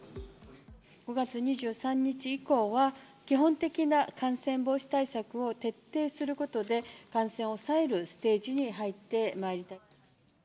５月２３日以降は、基本的な感染防止対策を徹底することで、感染を抑えるステージに入ってまいりたい。